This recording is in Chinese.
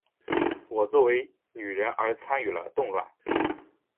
我作为女人而参与了动乱。